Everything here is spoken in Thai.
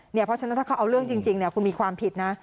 เพราะฉะนั้นถ้าเขาเอาเรื่องจริงคุณมีความผิดนะ